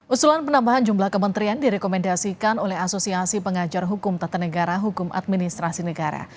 usulan penambahan jumlah kementerian direkomendasikan oleh asosiasi pengajar hukum tata negara hukum administrasi negara